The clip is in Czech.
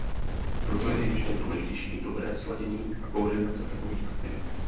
Proto je ještě důležitější dobré sladění a koordinace takových aktivit.